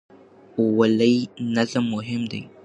ولې نظم مهم دی؟